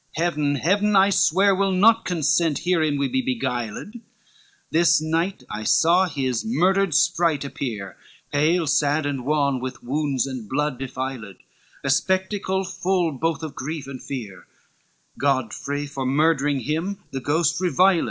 Heaven, heaven, I swear, Will not consent herein we be beguiled, This night I saw his murdered sprite appear, Pale, sad and wan, with wounds and blood defiled, A spectacle full both of grief and fear; Godfrey, for murdering him, the ghost reviled.